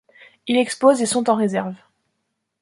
Il expose et sont en réserve.